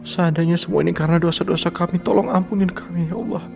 seadanya semua ini karena dosa dosa kami tolong ampunin kami ya allah